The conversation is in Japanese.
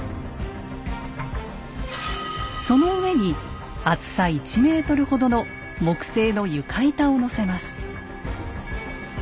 その上に厚さ１ｍほどの木製の床板をのせます。